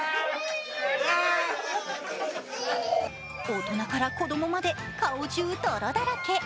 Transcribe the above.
大人から子供まで、顔中泥だらけ